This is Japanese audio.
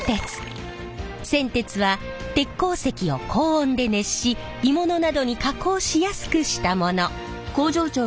銑鉄は鉄鉱石を高温で熱し鋳物などに加工しやすくしたもの。